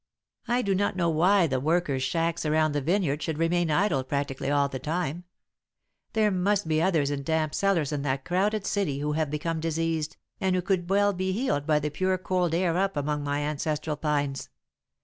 I do not know why the workers' shacks around the vineyard should remain idle practically all the time there must be others in damp cellars in that crowded city who have become diseased, and who could be healed by the pure cold air up among my ancestral pines.